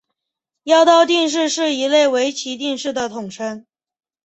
妖刀定式是一类围棋定式的统称。